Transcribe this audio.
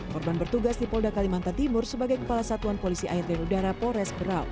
korban bertugas di polda kalimantan timur sebagai kepala satuan polisi air dan udara polres berau